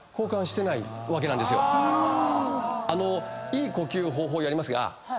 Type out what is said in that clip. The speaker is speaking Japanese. いい呼吸方法やります。